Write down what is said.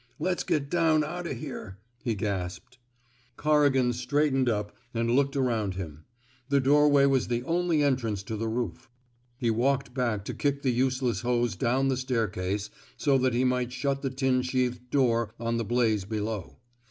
Let's get down out o* here,'* he gasped. Corrigan straightened up and looked around him; the doorway was the only entrance to the roof. He walked back to kick the useless hose down the staircase so that he might shut the tin sheathed door on the blaze below.